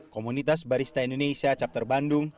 komunitas barista indonesia chapter bandung